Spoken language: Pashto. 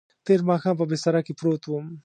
تېر ماښام په بستره کې پروت وم.